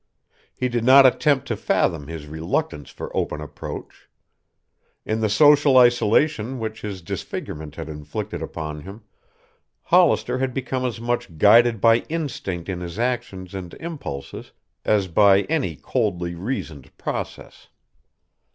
He did not attempt to fathom his reluctance for open approach. In the social isolation which his disfigurement had inflicted upon him, Hollister had become as much guided by instinct in his actions and impulses as by any coldly reasoned process.